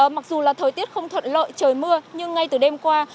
mặc dù là thời tiết không thuận lợi trời mưa nhưng ngay từ đêm qua